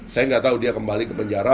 saya nggak tahu dia kembali ke penjara